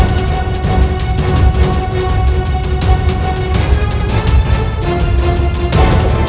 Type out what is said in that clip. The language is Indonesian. tidak sudah aku bilang lepaskan aku kanda